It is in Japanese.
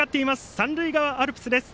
三塁側アルプスです。